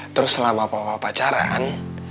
terus selama bapak bapak pacaran